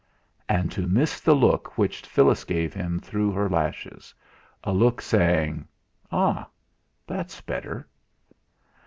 and to miss the look which Phyllis gave him through her lashes a look saying: "Ah! that's better!"